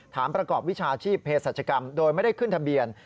ประกอบวิชาชีพเพศรัชกรรมโดยไม่ได้ขึ้นทะเบียน